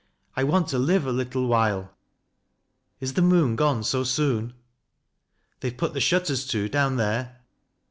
I want to live A little while. ... Is the moon gone so soon? They've put the shutters to, down there.